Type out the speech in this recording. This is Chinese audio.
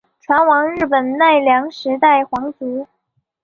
船王日本奈良时代皇族。